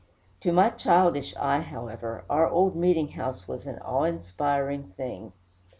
To my childish eye, however, our old meeting house was an awe inspiring thing.